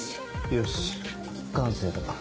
よし完成だ。